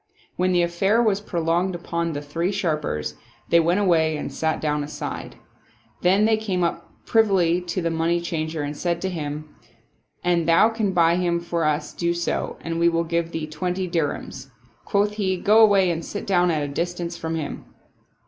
When the aflFair was prolonged upon the three sharpers, they went away and sat down aside; then they came up privily to the money changer and said to him, " An thou can buy him for us, do so, and we will give thee twenty dirhams." Quoth he, " Go away and sit down at a distance from him."